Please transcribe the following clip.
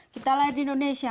kita lahir di indonesia